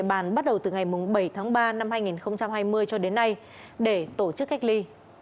địa bàn bắt đầu từ ngày bảy tháng ba năm hai nghìn hai mươi cho đến nay để tổ chức cách ly